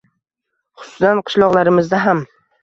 Xususan, qishloqlarimizda ham.